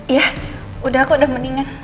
ya udah aku udah mendingan